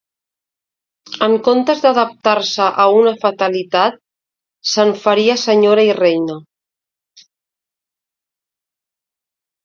En comptes d'adaptar-se a una fatalitat, se'n faria senyora i reina.